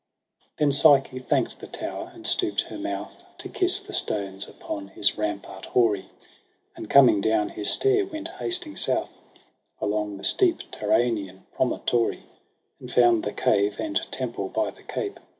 Then Psyche thank'd the tower, and stoopt her mouth To kiss the stones upon his rampart hoary 5 And coming down his stair went hasting south, Along the steep Tsenarian promontory • And found the cave and temple by the cape.